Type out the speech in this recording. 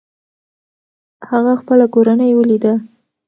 هغه خپله کورنۍ وليده.